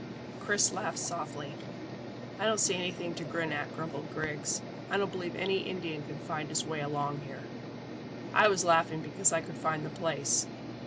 Chris laughed softly. "I don't see anything to grin at," grumbled Griggs. "I don't believe any Indian could find his way along here." "I was laughing because I could find the place."